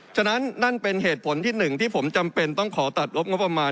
ฉะนั้นนั่นเป็นเหตุผลที่หนึ่งที่ผมจำเป็นต้องขอตัดงบงบประมาณ